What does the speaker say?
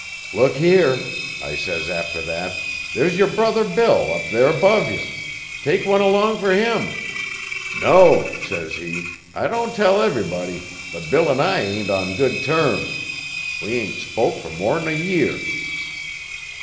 "Look here," I says after that, "there s yer brother Bill up there 'bove you. Take one along fer him." "No," says he, "I don' tell ev'ry body, but Bill an' I ain't on good terms. We ain't spoke fer more'n a year."